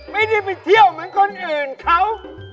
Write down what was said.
ไม่ได้ไปเที่ยวเหมือนคนอื่นเขา